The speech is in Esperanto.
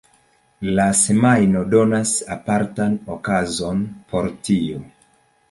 La Semajno donas apartan okazon por tio.